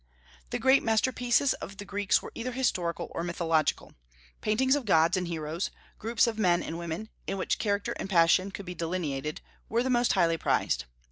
The great masterpieces of the Greeks were either historical or mythological. Paintings of gods and heroes, groups of men and women, in which character and passion could be delineated, were the most highly prized.